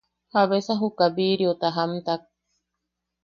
¿Jabesa juka biriota jaamtak?